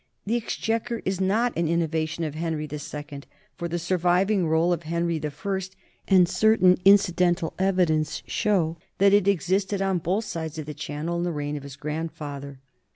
The exchequer is not an innovation of Henry II, for the surviving roll of Henry I and certain incidental evi dence show that it existed on both sides of the Channel in the reign of his grandfather.